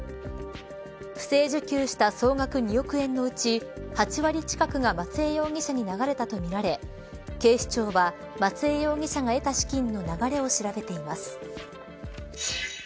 不正受給した総額２億円のうち８割近くが松江容疑者に流れたとみられ警視庁は松江容疑者が得た資金の流れを調べています。